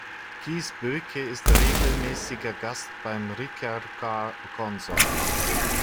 Kees Boeke ist regelmäßiger Gast beim Ricercar Consort.